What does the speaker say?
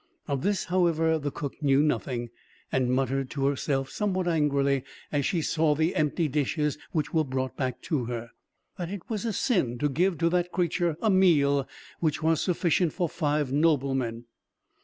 Of this, however, the cook knew nothing; and muttered to herself somewhat angrily, as she saw the empty dishes which were brought back to her, "that it was a sin to give, to that creature, a meal which was sufficient for five noblemen."